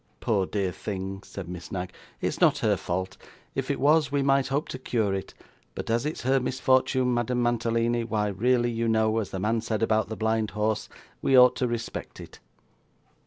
'Poor dear thing,' said Miss Knag, 'it's not her fault. If it was, we might hope to cure it; but as it's her misfortune, Madame Mantalini, why really you know, as the man said about the blind horse, we ought to respect it.